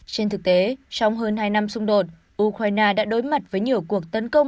trên thực tế trong hơn hai năm xung đột ukraine đã đối mặt với nhiều cuộc tấn công